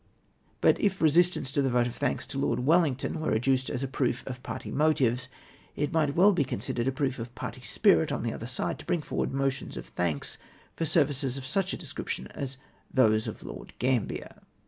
But if resistance to the vote of thanks to Lord Wellington were adduced as a proof of party motives, it might well be considered a proof of party spirit on the other side to bring forward motions of thanks for services of such a description as Avere those of Lord Gambier."